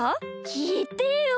きいてよ！